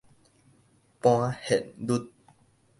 盤現率